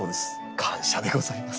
感謝でございます。